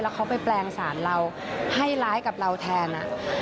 เขาไปแปลงสารเราให้ร้ายกับเราแทน